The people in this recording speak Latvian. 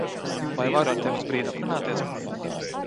Vai varu ar tevi uz brīdi aprunāties?